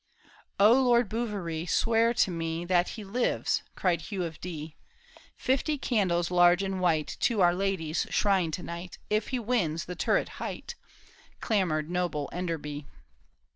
" O Lord Bouverie, swear to me That he lives," cried Hugh of Dee, " Fifty candles, large and white, To our Lady's shrine tO:night, If he wins the turret's height !" Clamored noble Enderby.